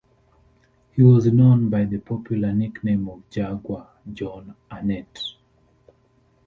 He was known by the popular nickname of Jaguar Jon Arnett.